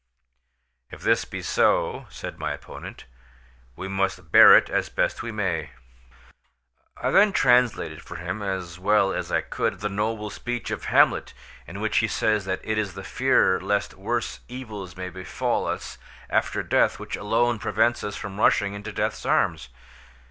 "If this be so," said my opponent, "we must bear it as best we may." I then translated for him, as well as I could, the noble speech of Hamlet in which he says that it is the fear lest worse evils may befall us after death which alone prevents us from rushing into death's arms.